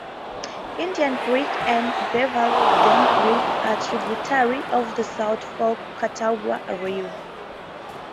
Indian Creek and Beaverdam Creek are tributaries of the South Fork Catawba River.